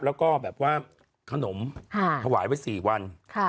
แล้วก็แบบว่าขนมถวายไว้๔วัน